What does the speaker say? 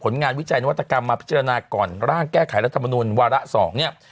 งานวิจัยนวัตกรรมมาพิจารณาก่อนร่างแก้ไขรัฐมนุนวาระ๒เนี่ย